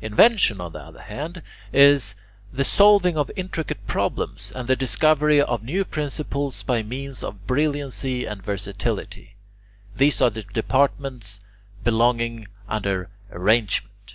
Invention, on the other hand, is the solving of intricate problems and the discovery of new principles by means of brilliancy and versatility. These are the departments belonging under Arrangement.